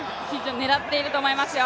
狙っていると思いますよ。